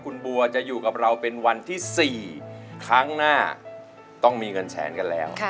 คุณบัวจะอยู่กับเราเป็นวันที่๔ครั้งหน้าต้องมีเงินแสนกันแล้ว